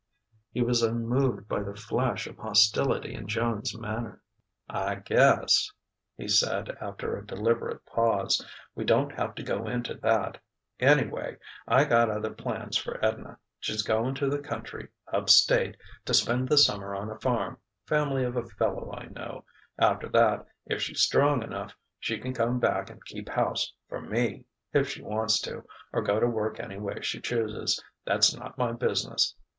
He was unmoved by the flash of hostility in Joan's manner. "I guess," he said after a deliberate pause, "we don't have to go into that. Anyway, I got other plans for Edna. She's goin' to the country, up State, to spend the summer on a farm family of a fellow I know. After that, if she's strong enough, she can come back and keep house for me, if she wants to, or go to work any way she chooses that's not my business.